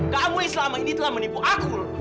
kamu yang selama ini telah menipu akul